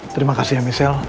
terima kasih ya michelle